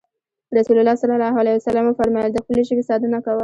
رسول الله ص وفرمايل د خپلې ژبې ساتنه کوه.